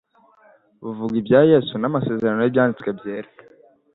buvuga ibya Yesu n'amasezerano y'Ibyanditswe byera.